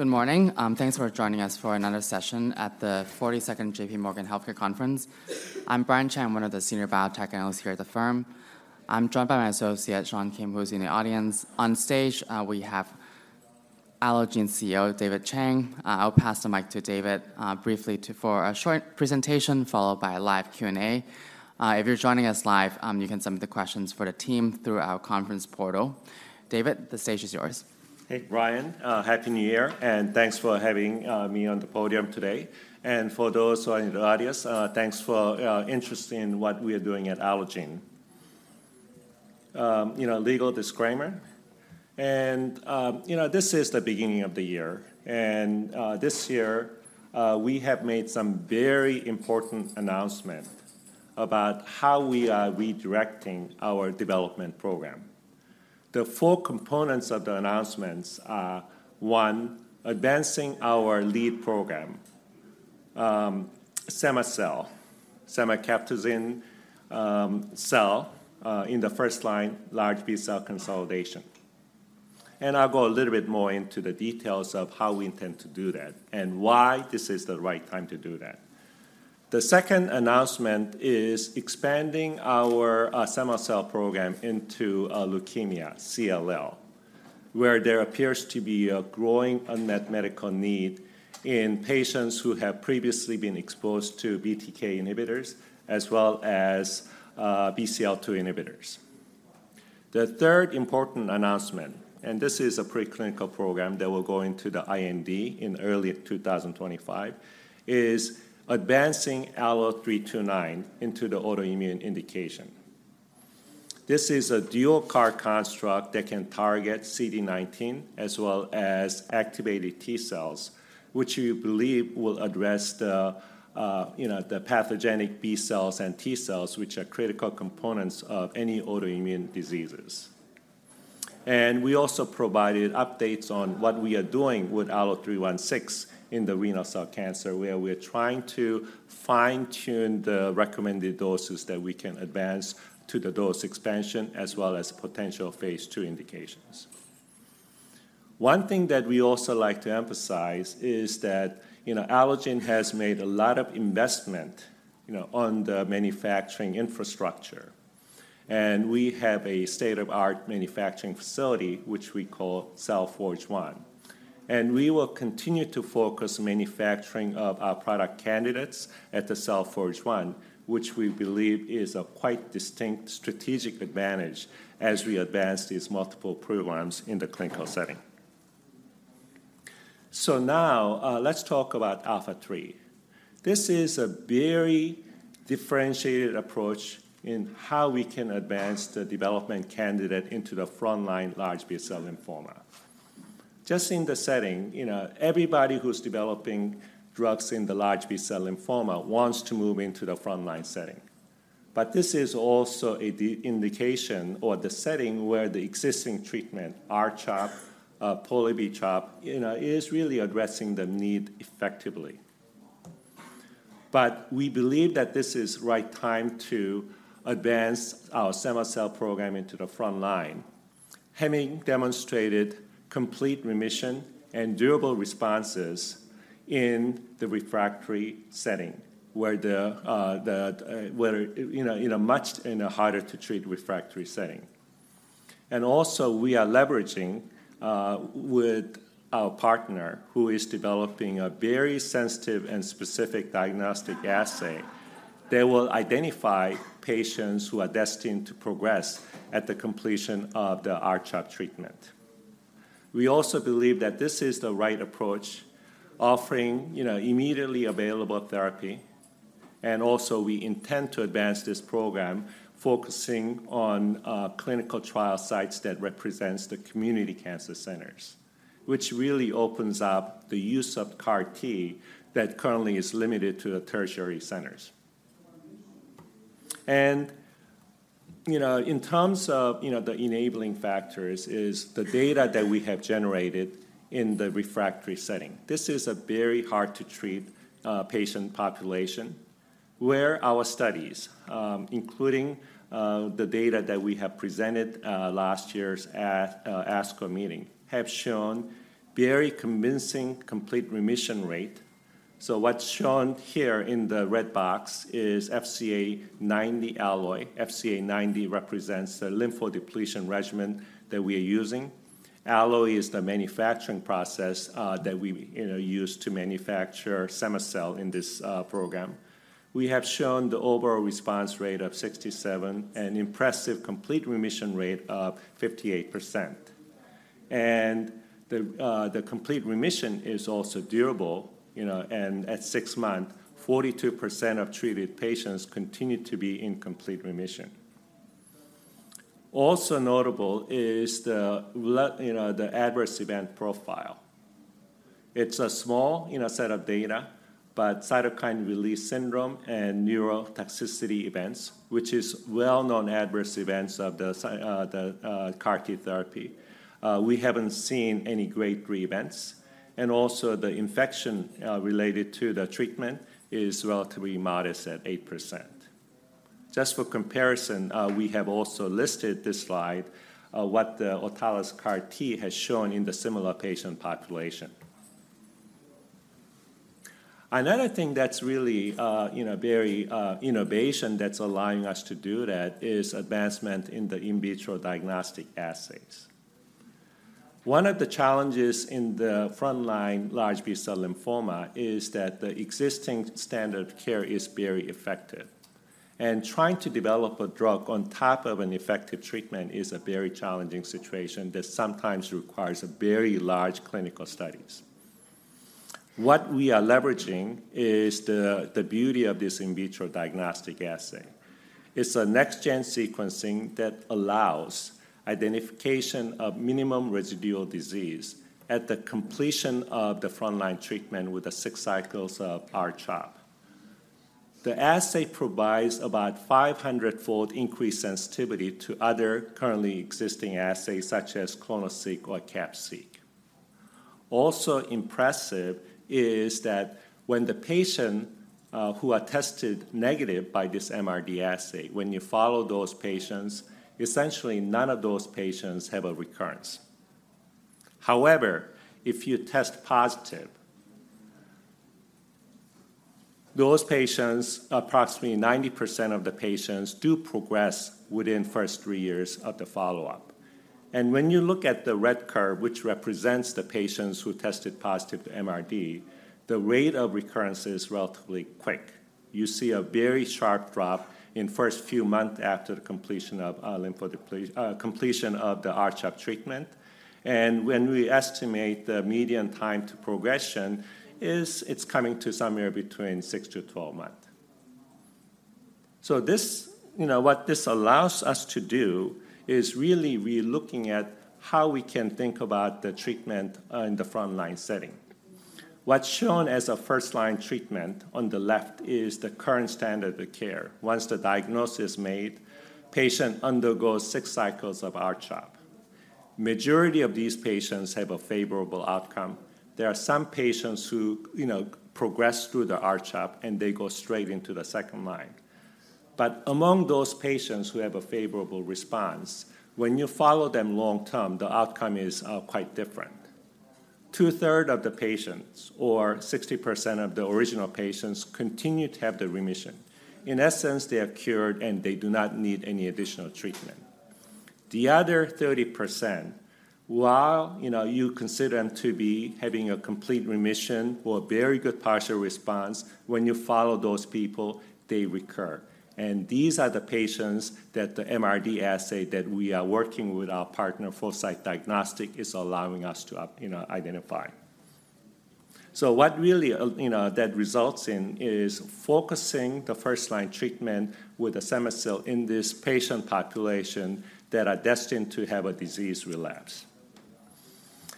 Good morning. Thanks for joining us for another session at the 42nd J.P. Morgan Healthcare Conference. I'm Brian Cheng, one of the senior biotech analysts here at the firm. I'm joined by my associate, Sean Kim, who's in the audience. On stage, we have Allogene CEO, David Chang. I'll pass the mic to David briefly for a short presentation, followed by a live Q&A. If you're joining us live, you can submit the questions for the team through our conference portal. David, the stage is yours. Hey, Brian, Happy New Year, and thanks for having me on the podium today. For those who are in the audience, thanks for interest in what we are doing at Allogene. You know, legal disclaimer. You know, this is the beginning of the year, and this year, we have made some very important announcement about how we are redirecting our development program.. The four components of the announcements are: one, advancing our lead program, cema-cel, cemacabtagene ansegedleucel, in the first line, large B-cell consolidation. And I'll go a little bit more into the details of how we intend to do that and why this is the right time to do that. The second announcement is expanding our cema-cel program into leukemia, CLL, where there appears to be a growing unmet medical need in patients who have previously been exposed to BTK inhibitors as well as BCL-2 inhibitors. The third important announcement, and this is a preclinical program that will go into the IND in early 2025, is advancing ALLO-329 into the autoimmune indication. This is a dual CAR construct that can target CD19 as well as activated T-cells, which we believe will address the, you know, the pathogenic B-cells and T-cells, which are critical components of any autoimmune diseases. And we also provided updates on what we are doing with ALLO-316 in the renal cell cancer, where we are trying to fine-tune the recommended doses that we can advance to the dose expansion as well as potential Phase II indications. One thing that we also like to emphasize is that, you know, Allogene has made a lot of investment, you know, on the manufacturing infrastructure, and we have a state-of-the-art manufacturing facility, which we call Cell Forge 1. We will continue to focus manufacturing of our product candidates at the Cell Forge 1, which we believe is a quite distinct strategic advantage as we advance these multiple programs in the clinical setting. So now, let's talk about ALPHA3. This is a very differentiated approach in how we can advance the development candidate into the frontline large B-cell lymphoma. Just in the setting, you know, everybody who's developing drugs in the large B-cell lymphoma wants to move into the frontline setting. But this is also the indication or the setting where the existing treatment, R-CHOP, Pola-CHOP, you know, is really addressing the need effectively. But we believe that this is right time to advance our cema-cel program into the front line, having demonstrated complete remission and durable responses in the refractory setting, where, you know, in a much harder to treat refractory setting. And also, we are leveraging with our partner, who is developing a very sensitive and specific diagnostic assay that will identify patients who are destined to progress at the completion of the R-CHOP treatment. We also believe that this is the right approach, offering, you know, immediately available therapy, and also, we intend to advance this program focusing on clinical trial sites that represents the community cancer centers, which really opens up the use of CAR T that currently is limited to the tertiary centers. You know, in terms of, you know, the enabling factors is the data that we have generated in the refractory setting. This is a very hard-to-treat patient population, where our studies, including the data that we have presented last year's at ASCO meeting, have shown very convincing complete remission rate. So what's shown here in the red box is FCA90 Alloy. FCA90 represents the lymphodepletion regimen that we are using. Alloy is the manufacturing process that we, you know, use to manufacture cema-cel in this program. We have shown the overall response rate of 67 and impressive complete remission rate of 58%. And the complete remission is also durable, you know, and at 6 months, 42% of treated patients continued to be in complete remission. Also notable is you know, the adverse event profile. It's a small, you know, set of data, but cytokine release syndrome and neurotoxicity events, which is well-known adverse events of the CAR T therapy. We haven't seen any grade three events, and also the infection related to the treatment is relatively modest at 8%.... Just for comparison, we have also listed this slide what the autologous CAR T has shown in the similar patient population. Another thing that's really, you know, very innovative that's allowing us to do that is advancement in the in vitro diagnostic assays. One of the challenges in the frontline large B-cell lymphoma is that the existing standard of care is very effective, and trying to develop a drug on top of an effective treatment is a very challenging situation that sometimes requires very large clinical studies. What we are leveraging is the beauty of this in vitro diagnostic assay. It's a next-gen sequencing that allows identification of minimal residual disease at the completion of the frontline treatment with the six cycles of R-CHOP. The assay provides about 500-fold increased sensitivity to other currently existing assays, such as ClonoSEQ or CAPP-Seq. Also impressive is that when the patient who are tested negative by this MRD assay, when you follow those patients, essentially none of those patients have a recurrence. However, if you test positive, those patients, approximately 90% of the patients, do progress within first 3 years of the follow-up. When you look at the red curve, which represents the patients who tested positive to MRD, the rate of recurrence is relatively quick. You see a very sharp drop in first few months after the completion of the R-CHOP treatment. When we estimate the median time to progression, it's coming to somewhere between 6-12 months. This, you know, what this allows us to do is really relooking at how we can think about the treatment in the frontline setting. What's shown as a first-line treatment on the left is the current standard of care. Once the diagnosis is made, patient undergoes six cycles of R-CHOP. Majority of these patients have a favorable outcome. There are some patients who, you know, progress through the R-CHOP, and they go straight into the second line. But among those patients who have a favorable response, when you follow them long-term, the outcome is quite different. Two-thirds of the patients, or 60% of the original patients, continue to have the remission. In essence, they are cured, and they do not need any additional treatment. The other 30%, while, you know, you consider them to be having a complete remission or a very good partial response, when you follow those people, they recur. And these are the patients that the MRD assay that we are working with our partner, Foresight Diagnostics, is allowing us to, you know, identify. So what really, you know, that results in is focusing the first-line treatment with the cema-cel in this patient population that are destined to have a disease relapse.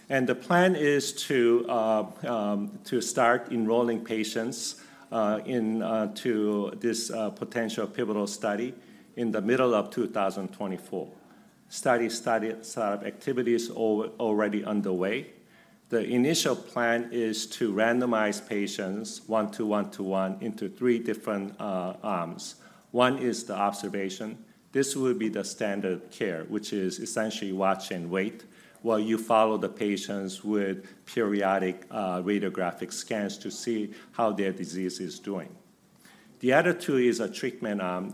And the plan is to start enrolling patients in to this potential pivotal study in the middle of 2024. Study activity is already underway. The initial plan is to randomize patients 1-to-1-to-1 into three different arms. One is the observation. This will be the standard care, which is essentially watch and wait, while you follow the patients with periodic radiographic scans to see how their disease is doing. The other two is a treatment arm.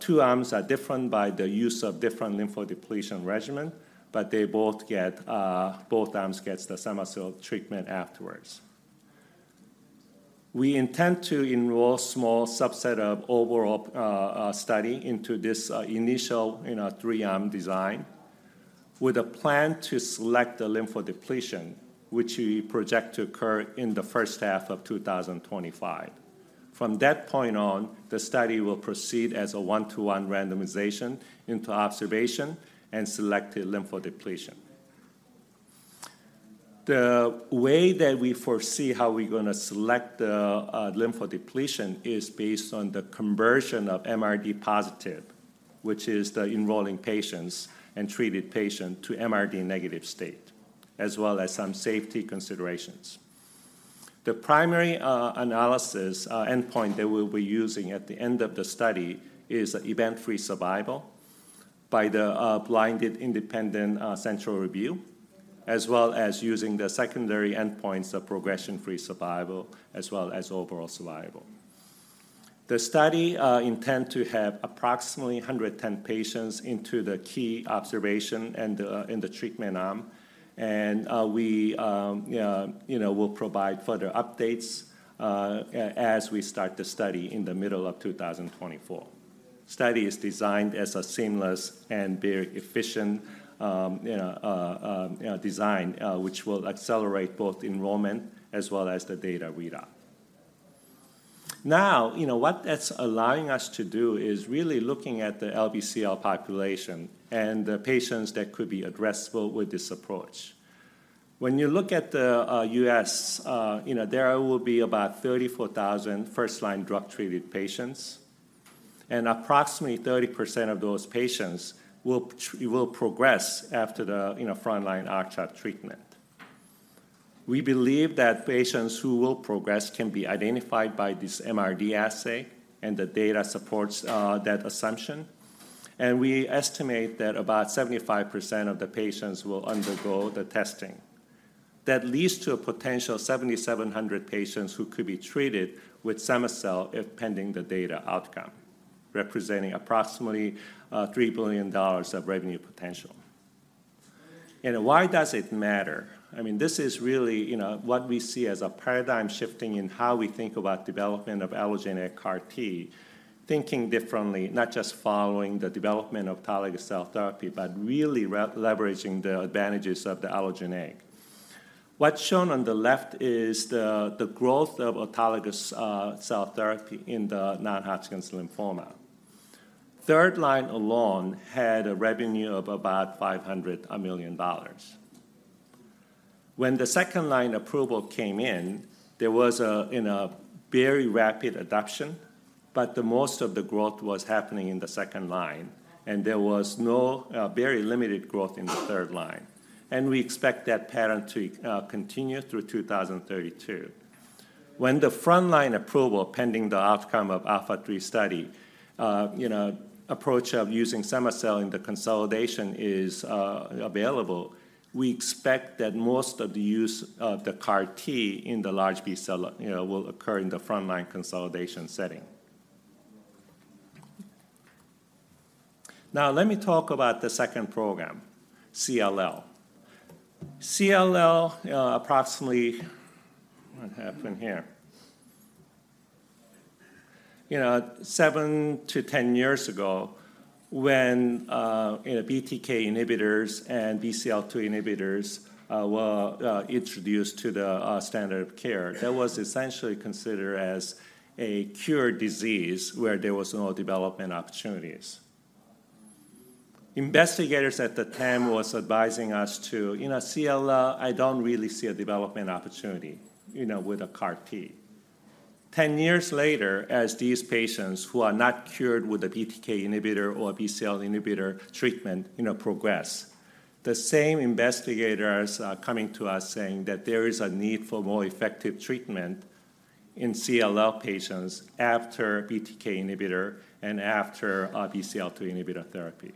Two arms are different by the use of different lymphodepletion regimen, but they both get, both arms gets the cema-cel treatment afterwards. We intend to enroll small subset of overall study into this initial, you know, three-arm design, with a plan to select the lymphodepletion, which we project to occur in the first half of 2025. From that point on, the study will proceed as a 1-to-1 randomization into observation and selected lymphodepletion. The way that we foresee how we're going to select the, lymphodepletion is based on the conversion of MRD positive, which is the enrolling patients and treated patient to MRD negative state, as well as some safety considerations. The primary, analysis, endpoint that we'll be using at the end of the study is event-free survival by the, blinded independent, central review, as well as using the secondary endpoints of progression-free survival, as well as overall survival. The study, intend to have approximately 110 patients into the key observation and the, in the treatment arm, and, we, you know, will provide further updates, as we start the study in the middle of 2024. Study is designed as a seamless and very efficient design, which will accelerate both enrollment as well as the data readout. Now, you know, what that's allowing us to do is really looking at the LBCL population and the patients that could be addressable with this approach. When you look at the U.S., you know, there will be about 34,000 first-line drug-treated patients, and approximately 30% of those patients will progress after the frontline R-CHOP treatment. We believe that patients who will progress can be identified by this MRD assay, and the data supports that assumption. And we estimate that about 75% of the patients will undergo the testing. That leads to a potential 7,700 patients who could be treated with cema-cel, if pending the data outcome, representing approximately $3 billion of revenue potential. And why does it matter? I mean, this is really, you know, what we see as a paradigm shifting in how we think about development of allogeneic CAR T. Thinking differently, not just following the development of autologous cell therapy, but really re-leveraging the advantages of the allogeneic. What's shown on the left is the growth of autologous cell therapy in the non-Hodgkin's lymphoma. Third line alone had a revenue of about $500 million. When the second line approval came in, there was in a very rapid adoption, but the most of the growth was happening in the second line, and there was no very limited growth in the third line. We expect that pattern to continue through 2032. When the frontline approval, pending the outcome of the ALPHA3 study, you know, approach of using cema-cel in the consolidation is available, we expect that most of the use of the CAR T in the large B-cell, you know, will occur in the frontline consolidation setting. Now, let me talk about the second program, CLL. CLL. What happened here? You know, 7-10 years ago, when you know, BTK inhibitors and BCL-2 inhibitors were introduced to the standard of care, that was essentially considered as a cured disease, where there was no development opportunities. Investigators at the time was advising us to: "You know, CLL, I don't really see a development opportunity, you know, with a CAR T." 10 years later, as these patients who are not cured with a BTK inhibitor or a BCL inhibitor treatment, you know, progress, the same investigators are coming to us saying that there is a need for more effective treatment in CLL patients after BTK inhibitor and after, BCL-2 inhibitor therapy.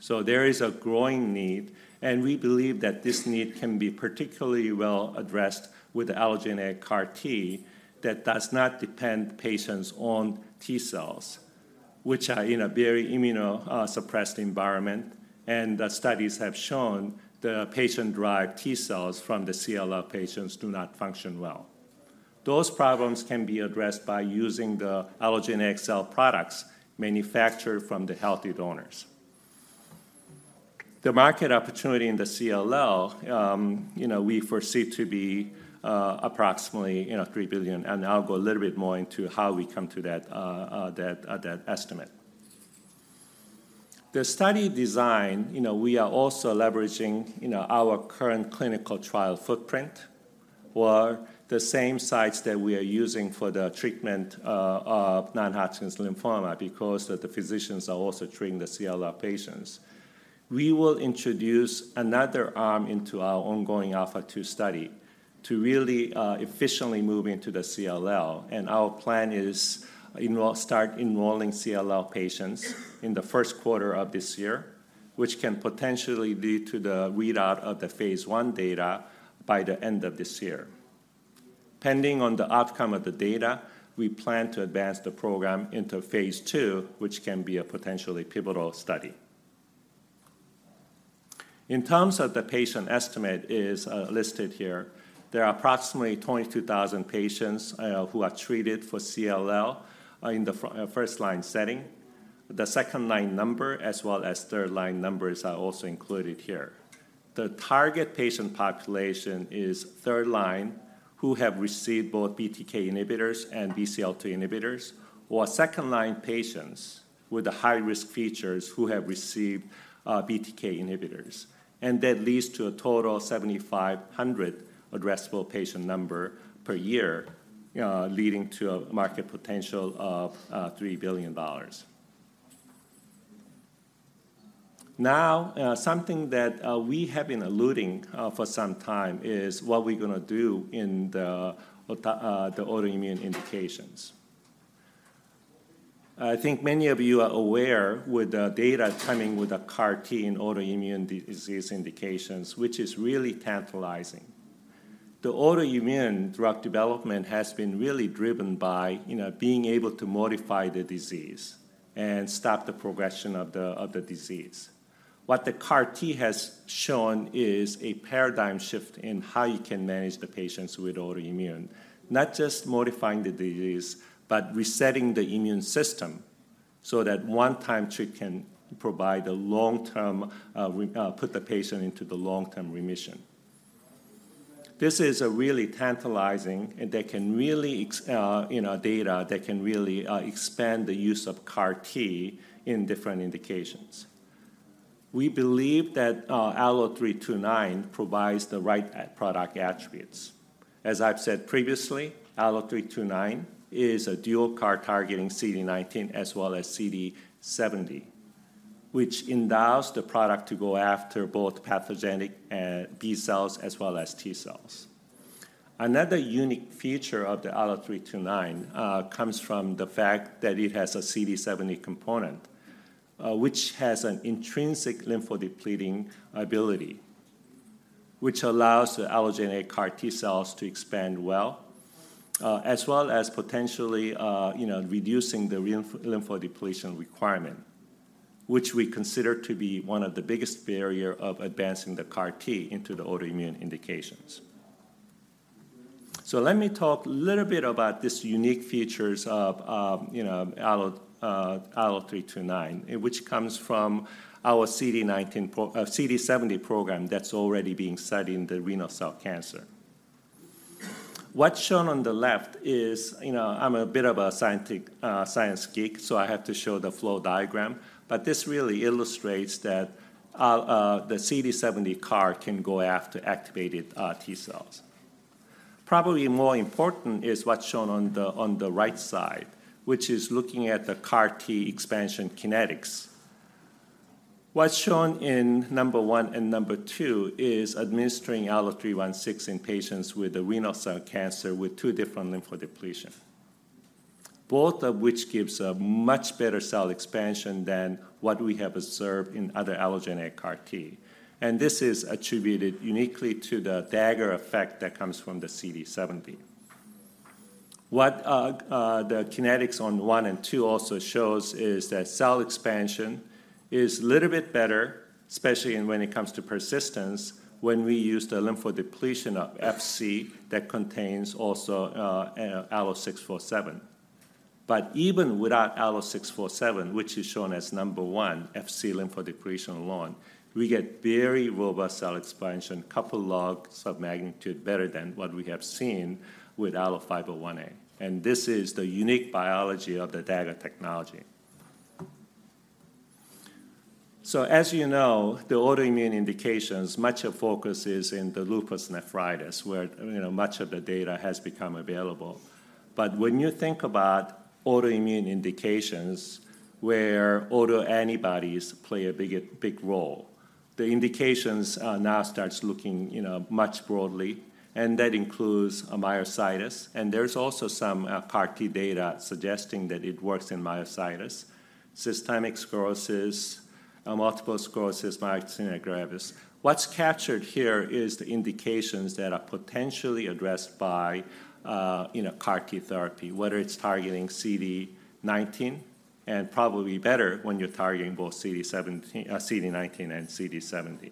So there is a growing need, and we believe that this need can be particularly well addressed with the allogeneic CAR T that does not depend patients on T-cells, which are in a very immuno, suppressed environment. And the studies have shown the patient-derived T-cells from the CLL patients do not function well. Those problems can be addressed by using the allogeneic cell products manufactured from the healthy donors. The market opportunity in the CLL, you know, we foresee to be, approximately, you know, $3 billion, and I'll go a little bit more into how we come to that, that estimate. The study design, you know, we are also leveraging, you know, our current clinical trial footprint, or the same sites that we are using for the treatment, of non-Hodgkin lymphoma, because the physicians are also treating the CLL patients. We will introduce another arm into our ongoing ALPHA2 study to really, efficiently move into the CLL. Our plan is start enrolling CLL patients in the first quarter of this year, which can potentially lead to the readout of the phase I data by the end of this year. Pending on the outcome of the data, we plan to advance the program into phase II, which can be a potentially pivotal study. In terms of the patient estimate is listed here, there are approximately 22,000 patients who are treated for CLL in the first-line setting. The second-line number, as well as third-line numbers, are also included here. The target patient population is third line, who have received both BTK inhibitors and BCL-2 inhibitors, or second-line patients with the high-risk features who have received BTK inhibitors. And that leads to a total of 7,500 addressable patient number per year, leading to a market potential of $3 billion. Now, something that we have been alluding for some time is what we're gonna do in the autoimmune indications. I think many of you are aware, with the data coming with the CAR T in autoimmune disease indications, which is really tantalizing. The autoimmune drug development has been really driven by, you know, being able to modify the disease and stop the progression of the, of the disease. What the CAR T has shown is a paradigm shift in how you can manage the patients with autoimmune, not just modifying the disease, but resetting the immune system so that one-time treat can provide a long-term, put the patient into the long-term remission. This is a really tantalizing, and that can really, you know, data that can really, expand the use of CAR T in different indications. We believe that, ALLO-329 provides the right product attributes. As I've said previously, ALLO-329 is a dual CAR targeting CD19 as well as CD70. which endows the product to go after both pathogenic, B cells as well as T cells. Another unique feature of the ALLO-329, comes from the fact that it has a CD70 component, which has an intrinsic lymphodepleting ability, which allows the allogeneic CAR T cells to expand well, as well as potentially, you know, reducing the lymphodepletion requirement, which we consider to be one of the biggest barrier of advancing the CAR T into the autoimmune indications. So let me talk a little bit about this unique features of, you know, ALLO-329, which comes from our CD19/CD70 program that's already being studied in the renal cell cancer. What's shown on the left is, you know, I'm a bit of a scientific science geek, so I have to show the flow diagram, but this really illustrates that the CD70 CAR can go after activated T cells. Probably more important is what's shown on the right side, which is looking at the CAR T expansion kinetics. What's shown in number one and number two is administering ALLO-316 in patients with a renal cell cancer with two different lymphodepletion, both of which gives a much better cell expansion than what we have observed in other allogeneic CAR T. And this is attributed uniquely to the Dagger effect that comes from the CD70. The kinetics on one and two also shows is that cell expansion is a little bit better, especially when it comes to persistence, when we use the lymphodepletion of FC that contains also ALLO-647. But even without ALLO-647, which is shown as number one, FC lymphodepletion alone, we get very robust cell expansion, couple logs of magnitude better than what we have seen with ALLO-501A, and this is the unique biology of the Dagger technology. So as you know, the autoimmune indications, much of focus is in the lupus nephritis, where, you know, much of the data has become available. But when you think about autoimmune indications, where autoantibodies play a big, a big role, the indications now starts looking, you know, much broadly, and that includes a myositis, and there's also some CAR T data suggesting that it works in myositis, systemic sclerosis, multiple sclerosis, myasthenia gravis. What's captured here is the indications that are potentially addressed by, you know, CAR T therapy, whether it's targeting CD19, and probably better when you're targeting both CD19 and CD70.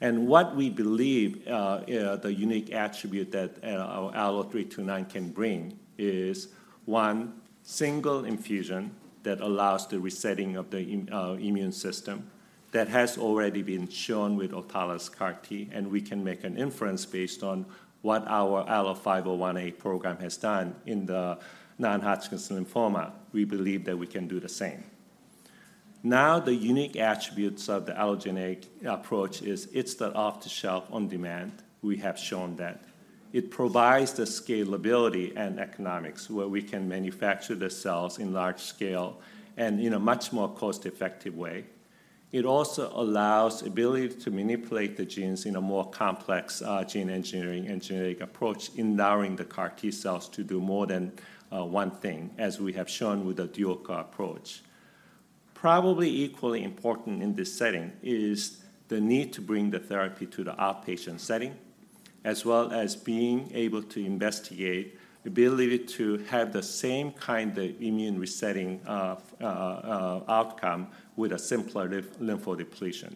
And what we believe the unique attribute that our ALLO-329 can bring is one single infusion that allows the resetting of the immune system that has already been shown with autologous CAR T, and we can make an inference based on what our ALLO-501A program has done in the non-Hodgkin's lymphoma. We believe that we can do the same. Now, the unique attributes of the allogeneic approach is it's the off-the-shelf, on-demand. We have shown that it provides the scalability and economics, where we can manufacture the cells in large scale and in a much more cost-effective way. It also allows ability to manipulate the genes in a more complex, gene engineering approach, empowering the CAR T cells to do more than one thing, as we have shown with the dual CAR approach. Probably equally important in this setting is the need to bring the therapy to the outpatient setting, as well as being able to investigate the ability to have the same kind of immune resetting of outcome with a simpler lymphodepletion.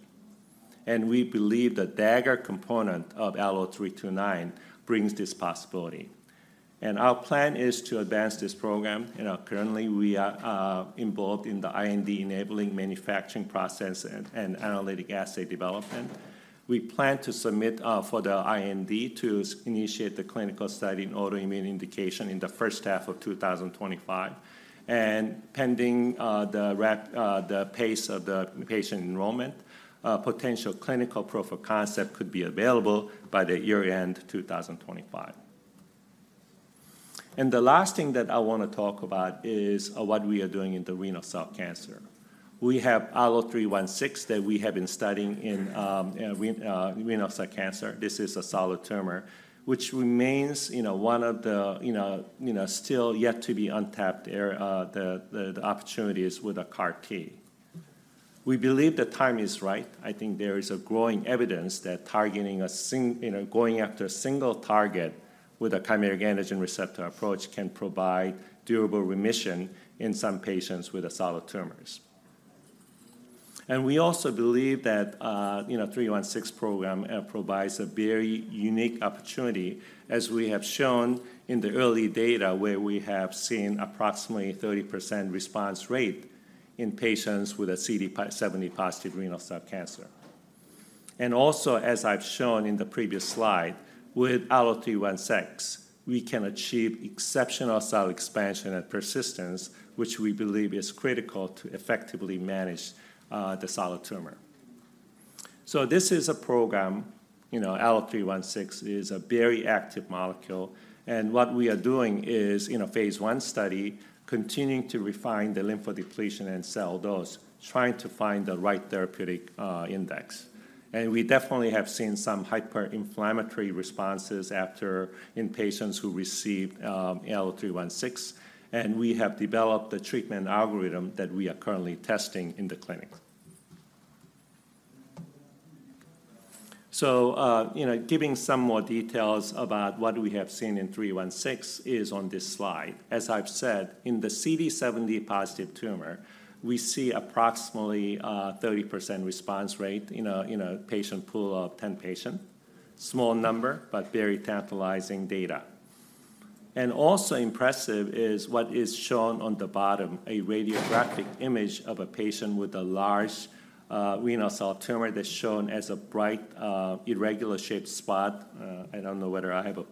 And we believe the Dagger component of ALLO-329 brings this possibility. Our plan is to advance this program, and currently we are involved in the IND-enabling manufacturing process and analytic assay development. We plan to submit for the IND to initiate the clinical study in autoimmune indication in the first half of 2025, and pending the pace of the patient enrollment, potential clinical proof of concept could be available by the year-end 2025. The last thing that I want to talk about is what we are doing in the renal cell cancer. We have ALLO-316 that we have been studying in renal cell cancer. This is a solid tumor, which remains, you know, one of the, you know, you know, still yet to be untapped area, the opportunities with the CAR T. We believe the time is right. I think there is a growing evidence that targeting a single, you know, going after a single target with a chimeric antigen receptor approach can provide durable remission in some patients with solid tumors. We also believe that, you know, ALLO-316 program provides a very unique opportunity, as we have shown in the early data, where we have seen approximately 30% response rate in patients with CD70-positive renal cell cancer. And also, as I've shown in the previous slide, with ALLO-316, we can achieve exceptional cell expansion and persistence, which we believe is critical to effectively manage the solid tumor. So this is a program, you know, ALLO-316 is a very active molecule, and what we are doing is, in a phase I study, continuing to refine the lymphodepletion and cell dose, trying to find the right therapeutic index. And we definitely have seen some hyperinflammatory responses after in patients who received ALLO-316, and we have developed a treatment algorithm that we are currently testing in the clinic. So, you know, giving some more details about what we have seen in ALLO-316 is on this slide. As I've said, in the CD70-positive tumor, we see approximately 30% response rate in a patient pool of 10 patients. Small number, but very tantalizing data. Also impressive is what is shown on the bottom, a radiographic image of a patient with a large renal cell tumor that's shown as a bright irregular-shaped spot on the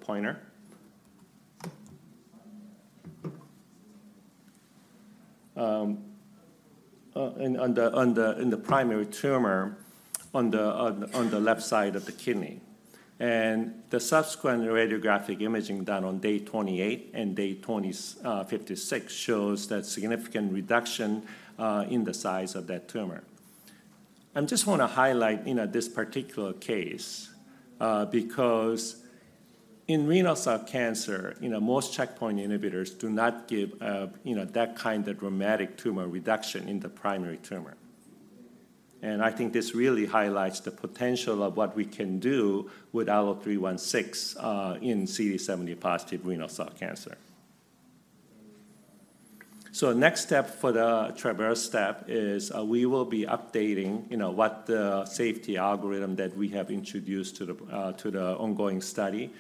primary tumor on the left side of the kidney. I don't know whether I have a pointer. And the subsequent radiographic imaging done on day 28 and day 56 shows that significant reduction in the size of that tumor. I just want to highlight, you know, this particular case, because in renal cell cancer, you know, most checkpoint inhibitors do not give, you know, that kind of dramatic tumor reduction in the primary tumor. And I think this really highlights the potential of what we can do with ALLO-316 in CD70-positive renal cell cancer. So next step for the TRAVERSE step is, we will be updating, you know, what the safety algorithm that we have introduced to the, to the ongoing study,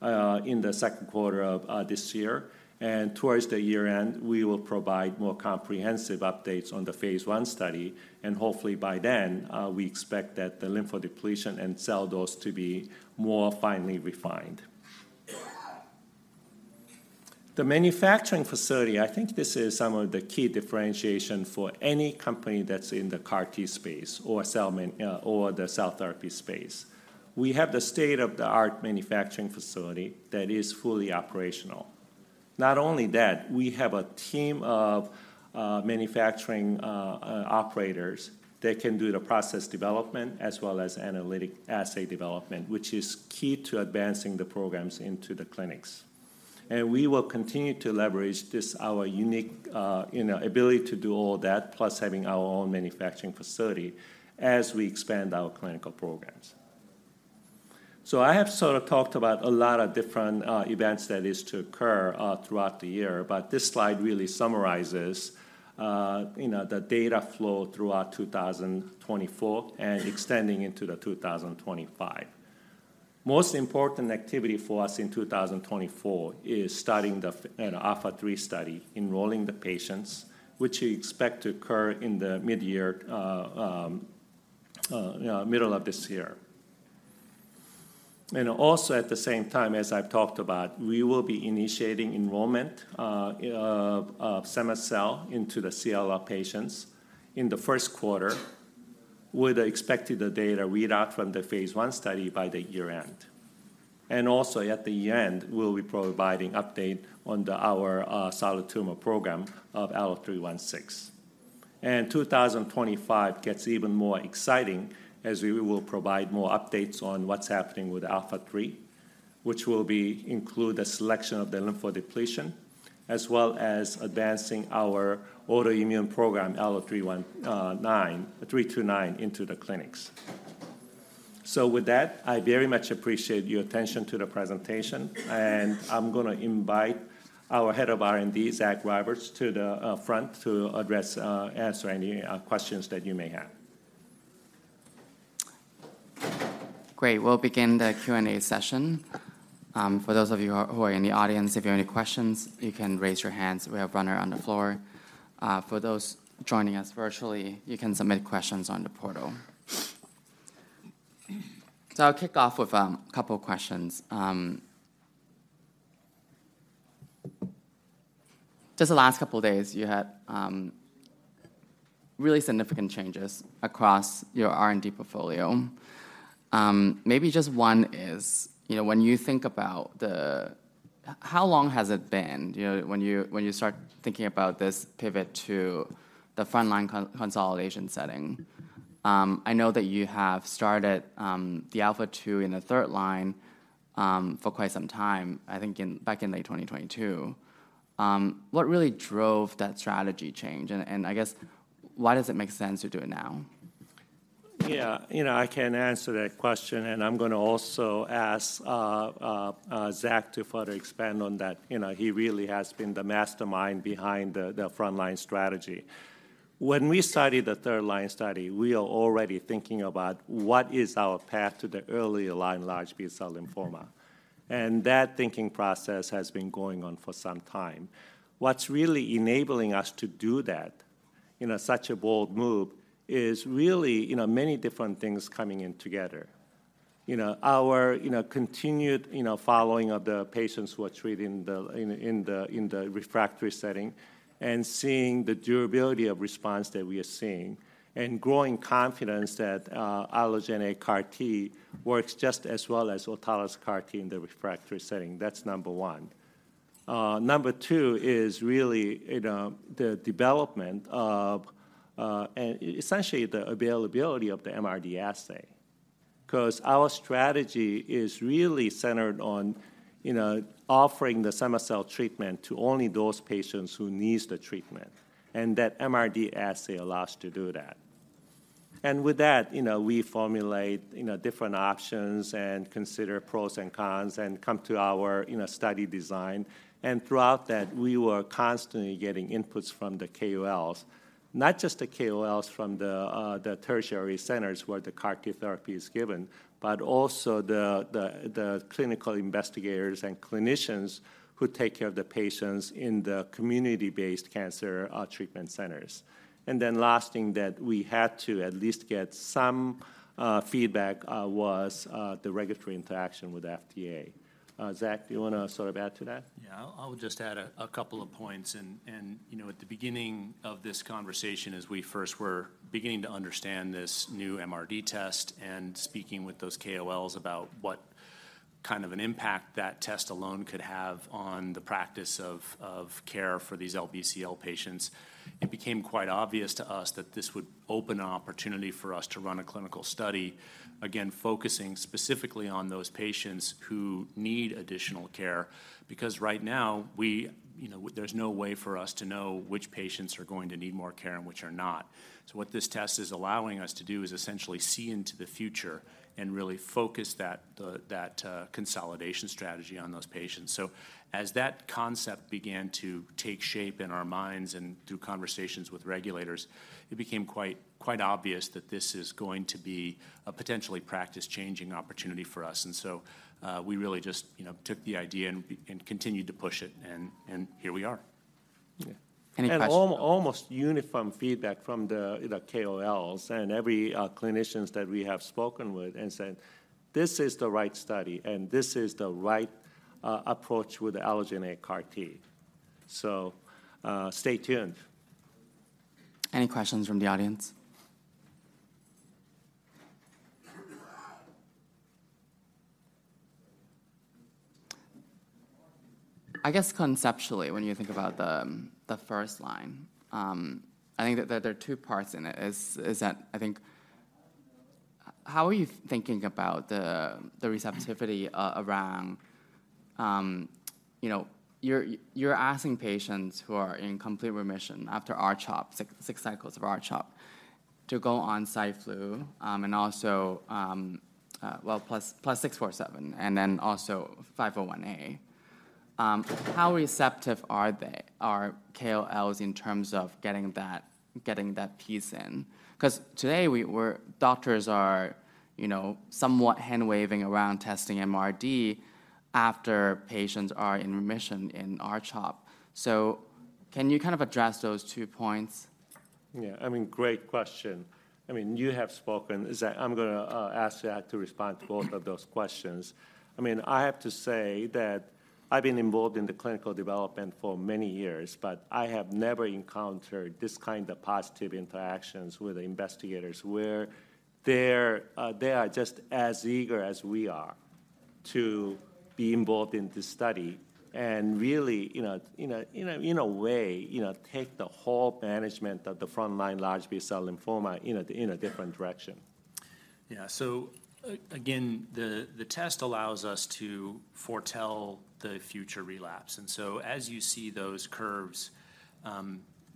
in the second quarter of this year. And towards the year-end, we will provide more comprehensive updates on the phase I study, and hopefully by then, we expect that the lymphodepletion and cell dose to be more finely refined. The manufacturing facility, I think this is some of the key differentiation for any company that's in the CAR T space or cell therapy space. We have the state-of-the-art manufacturing facility that is fully operational. Not only that, we have a team of manufacturing operators that can do the process development as well as analytic assay development, which is key to advancing the programs into the clinics. We will continue to leverage this, our unique, you know, ability to do all that, plus having our own manufacturing facility, as we expand our clinical programs. I have sort of talked about a lot of different events that is to occur throughout the year, but this slide really summarizes, you know, the data flow throughout 2024 and extending into 2025. Most important activity for us in 2024 is starting an ALPHA3 study, enrolling the patients, which we expect to occur in the mid-year, middle of this year. Also at the same time, as I've talked about, we will be initiating enrollment of cema-cel into the CLL patients in the first quarter, with the expected data read out from the phase I study by the year-end. Also at the year-end, we'll be providing update on our solid tumor program of ALLO-316. And 2025 gets even more exciting as we will provide more updates on what's happening with ALPHA3, which will include a selection of the lymphodepletion, as well as advancing our autoimmune program, ALLO-329, into the clinics. So with that, I very much appreciate your attention to the presentation, and I'm going to invite our head of R&D, Zach Roberts, to the front to answer any questions that you may have. Great. We'll begin the Q&A session. For those of you who are, who are in the audience, if you have any questions, you can raise your hands. We have runner on the floor. For those joining us virtually, you can submit questions on the portal. So I'll kick off with a couple of questions. Just the last couple of days, you had really significant changes across your R&D portfolio. Maybe just one is, you know, when you think about the... How long has it been, you know, when you, when you start thinking about this pivot to the frontline consolidation setting? I know that you have started the ALPHA2 in the third line for quite some time, I think in back in late 2022. What really drove that strategy change? I guess, why does it make sense to do it now? Yeah, you know, I can answer that question, and I'm going to also ask Zach to further expand on that. You know, he really has been the mastermind behind the frontline strategy. When we started the third line study, we are already thinking about what is our path to the earlier line large B-cell lymphoma, and that thinking process has been going on for some time. What's really enabling us to do that, you know, such a bold move, is really, you know, many different things coming in together... you know, our, you know, continued, you know, following of the patients who are treated in the refractory setting, and seeing the durability of response that we are seeing, and growing confidence that allogeneic CAR T works just as well as autologous CAR T in the refractory setting. That's number one. Number two is really, you know, the development of, and essentially, the availability of the MRD assay. 'Cause our strategy is really centered on, you know, offering the cell treatment to only those patients who needs the treatment, and that MRD assay allows to do that. And with that, you know, we formulate, you know, different options and consider pros and cons, and come to our, you know, study design. And throughout that, we were constantly getting inputs from the KOLs. Not just the KOLs from the tertiary centers, where the CAR T therapy is given, but also the clinical investigators and clinicians who take care of the patients in the community-based cancer treatment centers. And then last thing that we had to at least get some feedback was the regulatory interaction with FDA. Zach, do you wanna sort of add to that? Yeah, I'll just add a couple of points. And, you know, at the beginning of this conversation, as we first were beginning to understand this new MRD test and speaking with those KOLs about what kind of an impact that test alone could have on the practice of care for these LBCL patients, it became quite obvious to us that this would open an opportunity for us to run a clinical study. Again, focusing specifically on those patients who need additional care, because right now, we, you know, there's no way for us to know which patients are going to need more care and which are not. So what this test is allowing us to do is essentially see into the future and really focus that consolidation strategy on those patients. So as that concept began to take shape in our minds and through conversations with regulators, it became quite, quite obvious that this is going to be a potentially practice-changing opportunity for us, and so, we really just, you know, took the idea and continued to push it, and here we are. Yeah. Any questions? Almost uniform feedback from the KOLs and every clinicians that we have spoken with said, "This is the right study, and this is the right approach with the allogeneic CAR T." So, stay tuned. Any questions from the audience? I guess conceptually, when you think about the first line, I think that there are two parts in it, that I think. How are you thinking about the receptivity around? You know, you're asking patients who are in complete remission after R-CHOP, 6 cycles of R-CHOP, to go on Cy/Flu, and also, well, plus 647, and then also 501A. How receptive are they, are KOLs in terms of getting that piece in? 'Cause today, doctors are, you know, somewhat hand-waving around testing MRD after patients are in remission in R-CHOP. So can you kind of address those two points? Yeah, I mean, great question. I mean, you have spoken, Zach. I'm gonna ask Zach to respond to both of those questions. I mean, I have to say that I've been involved in the clinical development for many years, but I have never encountered this kind of positive interactions with the investigators, where they're just as eager as we are to be involved in this study and really, you know, in a way, you know, take the whole management of the frontline Large B-Cell Lymphoma in a different direction. Yeah, so again, the test allows us to foretell the future relapse. And so as you see those curves,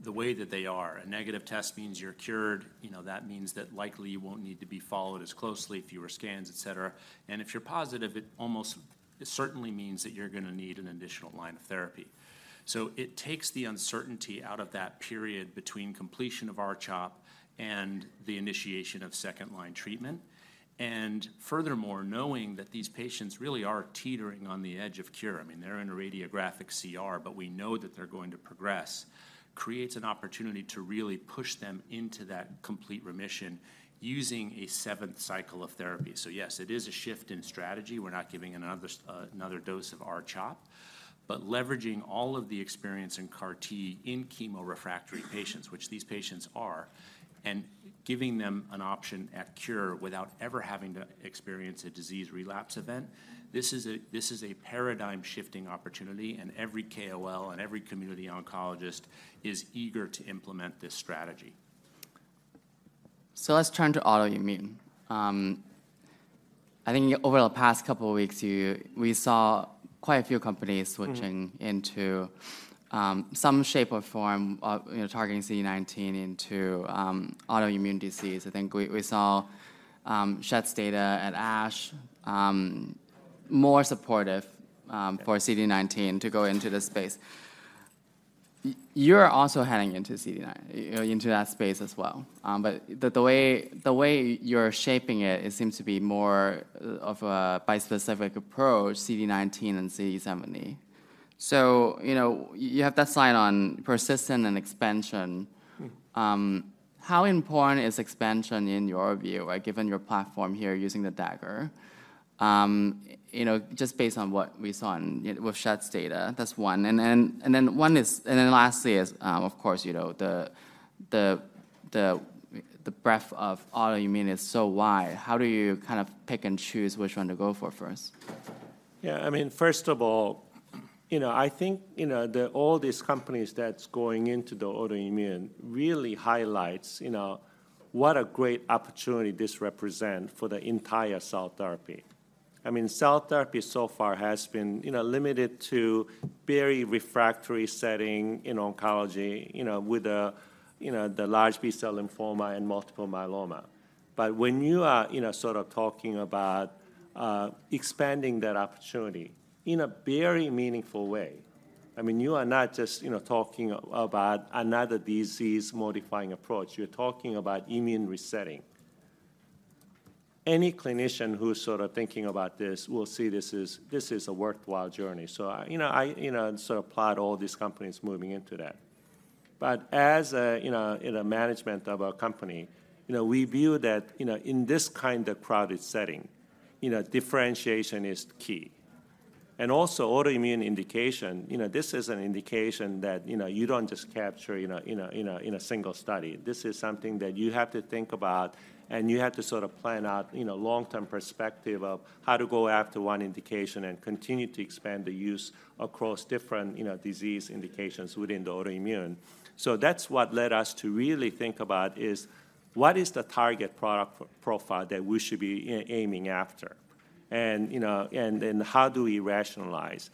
the way that they are, a negative test means you're cured. You know, that means that likely you won't need to be followed as closely, fewer scans, et cetera. And if you're positive, it almost, it certainly means that you're gonna need an additional line of therapy. So it takes the uncertainty out of that period between completion of R-CHOP and the initiation of second-line treatment. And furthermore, knowing that these patients really are teetering on the edge of cure, I mean, they're in a radiographic CR, but we know that they're going to progress, creates an opportunity to really push them into that complete remission using a seventh cycle of therapy. So yes, it is a shift in strategy. We're not giving another dose of R-CHOP, but leveraging all of the experience in CAR T in chemo-refractory patients, which these patients are, and giving them an option at cure without ever having to experience a disease relapse event. This is a paradigm-shifting opportunity, and every KOL and every community oncologist is eager to implement this strategy. So let's turn to autoimmune. I think over the past couple of weeks, we saw quite a few companies switching- Mm... into some shape or form of, you know, targeting CD19 into autoimmune disease. I think we saw Schett's data at ASH, more supportive for CD19 to go into this space. You're also heading into CD70 into that space as well. But the way you're shaping it, it seems to be more of a bispecific approach, CD19 and CD70. So, you know, you have that slide on persistent and expansion. How important is expansion in your view, right? Given your platform here using the Dagger. You know, just based on what we saw with Schett's data, that's one. Lastly, of course, you know, the breadth of autoimmune is so wide, how do you kind of pick and choose which one to go for first? Yeah, I mean, first of all, you know, I think, you know, that all these companies that's going into the autoimmune really highlights, you know, what a great opportunity this represent for the entire cell therapy. I mean, cell therapy so far has been, you know, limited to very refractory setting in oncology, you know, with you know, the large B-cell lymphoma and multiple myeloma. But when you are, you know, sort of talking about expanding that opportunity in a very meaningful way, I mean, you are not just, you know, talking about another disease-modifying approach. You're talking about immune resetting. Any clinician who's sort of thinking about this will see this is, this is a worthwhile journey. So I, you know, I, you know, and so applaud all these companies moving into that. But as you know, in a management of our company, you know, we view that, you know, in this kind of crowded setting, you know, differentiation is key. And also, autoimmune indication, you know, this is an indication that, you know, you don't just capture in a single study. This is something that you have to think about, and you have to sort of plan out, you know, long-term perspective of how to go after one indication and continue to expand the use across different, you know, disease indications within the autoimmune. So that's what led us to really think about is, what is the target product profile that we should be aiming after? And, you know, and then how do we rationalize?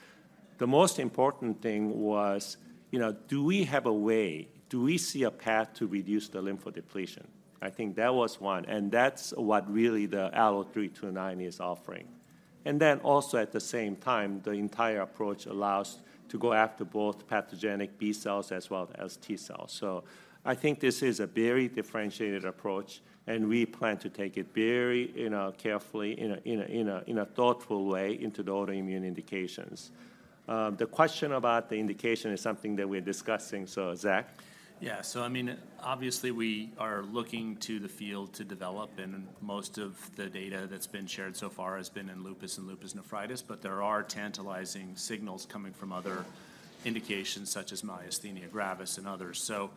The most important thing was, you know, do we have a way—do we see a path to reduce the lymphodepletion? I think that was one, and that's what really the ALLO-329 is offering. Then also at the same time, the entire approach allows to go after both pathogenic B cells as well as T cells. So I think this is a very differentiated approach, and we plan to take it very, you know, carefully, in a thoughtful way into the autoimmune indications. The question about the indication is something that we're discussing, so, Zach? Yeah, so I mean, obviously, we are looking to the field to develop, and most of the data that's been shared so far has been in lupus and lupus nephritis, but there are tantalizing signals coming from other indications, such as myasthenia gravis and others. So,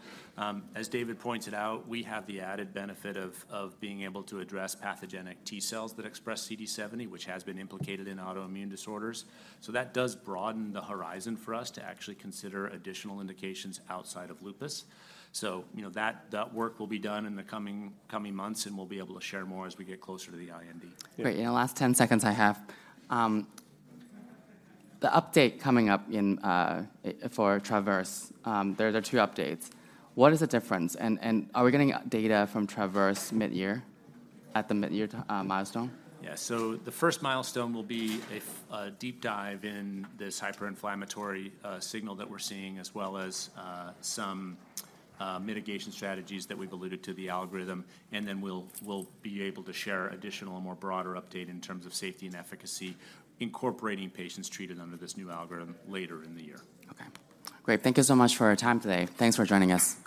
as David pointed out, we have the added benefit of being able to address pathogenic T cells that express CD70, which has been implicated in autoimmune disorders. So that does broaden the horizon for us to actually consider additional indications outside of lupus. So, you know, that work will be done in the coming months, and we'll be able to share more as we get closer to the IND. Great. In the last 10 seconds I have, the update coming up in, for TRAVERSE, there are two updates. What is the difference? And are we getting data from TRAVERSE mid-year, at the mid-year milestone? Yeah, so the first milestone will be a deep dive in this hyperinflammatory signal that we're seeing, as well as some mitigation strategies that we've alluded to the algorithm, and then we'll be able to share additional, more broader update in terms of safety and efficacy, incorporating patients treated under this new algorithm later in the year. Okay. Great. Thank you so much for your time today. Thanks for joining us.